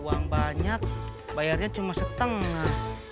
uang banyak bayarnya cuma setengah